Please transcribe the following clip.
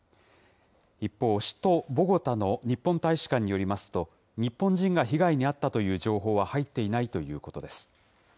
一方、首都ボゴタの日本大使館によりますと、日本人が被害に遭ったという情報は入っていないということです。